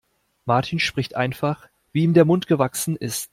Martin spricht einfach, wie ihm der Mund gewachsen ist.